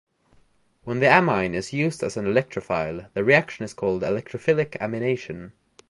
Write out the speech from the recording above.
When the amine is used as an electrophile, the reaction is called electrophilic amination.